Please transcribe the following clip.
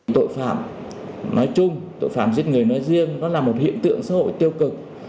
tội phạm nói chung tội phạm giết người nói riêng nó là một hiện tượng xã hội tiêu cực